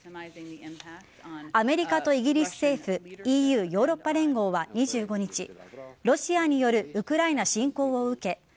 アメリカとイギリス政府ＥＵ＝ヨーロッパ連合は２５日ロシアによるウクライナ侵攻を受け